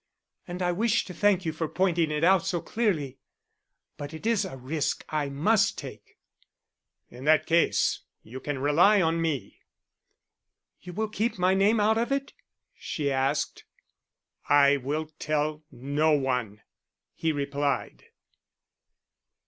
"And I wish to thank you for pointing it out so clearly. But it is a risk I must take." "In that case you can rely on me." "You will keep my name out of it?" she asked. "I will tell no one," he replied.